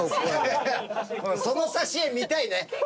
その挿絵見たいね。